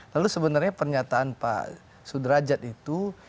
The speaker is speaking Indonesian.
lalu sebenarnya pernyataan pak sudrajat itu